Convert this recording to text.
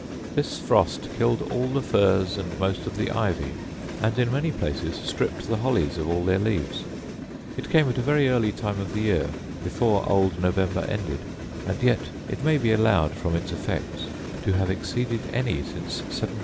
This frost killed all the furze and most of the ivy, and in many places stripped the hollies of all their leaves. It came at a very early time of the year, before old November ended; and yet it may be allowed from its effects to have exceeded any since 1739–40.